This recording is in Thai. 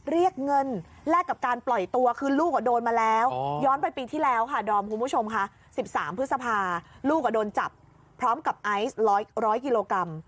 เรียกเงินแลกกับการปล่อยตัวคือลูกโดนมาแล้วย้อนไปปีที่แล้วค่ะดอมคุณผู้ชมค่ะ๑๓พฤษภาลูกโดนจับพร้อมกับไอซ์๑๐๐กิโลกรัม